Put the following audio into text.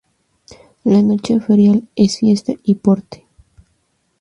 La noche ferial es fiesta y porte.